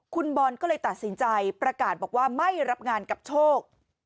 คุณบอลก็เลยตัดสินใจประกาศบอกว่าไม่รับงานกับโชค